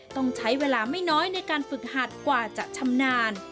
ต้องใช้เวลาไม่น้อยในการฝึกหัดกว่าจะชำนาญ